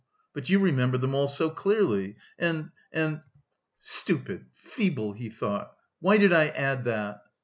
But you remember them all so clearly, and... and..." "Stupid! Feeble!" he thought. "Why did I add that?"